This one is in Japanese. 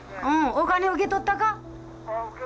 お金受け取ったか？